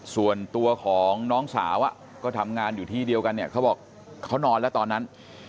ส่วนตัวของน้องสาวก็ทำงานอยู่ที่เดียวกันเนี่ยเขาบอกเขานอนแล้วตอนนั้น